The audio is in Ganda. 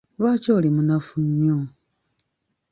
Lwaki oli munafu nnyo?